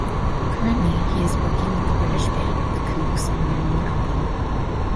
Currently he is working with the British band The Kooks on their new album.